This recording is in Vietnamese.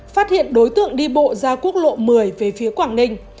phát hiện đối tượng đi bộ ra quốc lộ một mươi về phía quảng ninh